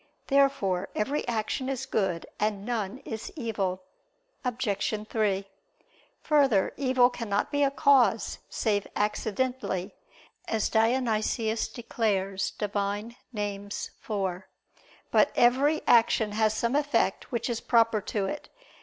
Therefore every action is good, and none is evil. Obj. 3: Further, evil cannot be a cause, save accidentally, as Dionysius declares (Div. Nom. iv). But every action has some effect which is proper to it.